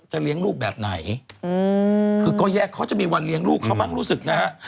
เลี้ยงลูกแบบไหนคือก็แยกเขาจะมีวันเลี้ยงลูกเขาบ้างรู้สึกนะฮะ